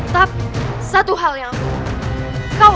tapi satu hal yang aku tahu